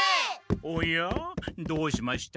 おやどうしました？